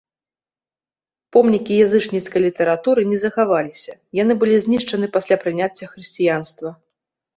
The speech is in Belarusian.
Помнікі язычніцкай літаратуры не захаваліся, яны былі знішчаны пасля прыняцця хрысціянства.